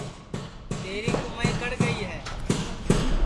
تیری کُمائی کڑے گئی ہے